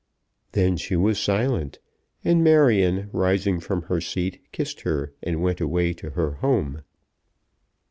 Then she was silent, and Marion rising from her seat kissed her, and went away to her home.